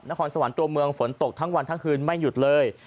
นครสวรรค์ตัวเมืองฝนตกทั้งวันทั้งคืนไม่หยุดเลย